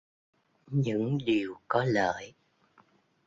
những điều có lợi.